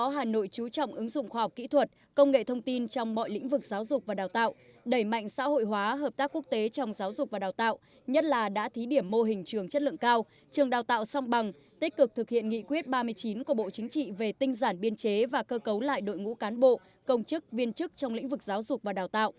hà nội chú trọng ứng dụng khoa học kỹ thuật công nghệ thông tin trong mọi lĩnh vực giáo dục và đào tạo đẩy mạnh xã hội hóa hợp tác quốc tế trong giáo dục và đào tạo nhất là đã thí điểm mô hình trường chất lượng cao trường đào tạo song bằng tích cực thực hiện nghị quyết ba mươi chín của bộ chính trị về tinh giản biên chế và cơ cấu lại đội ngũ cán bộ công chức viên chức trong lĩnh vực giáo dục và đào tạo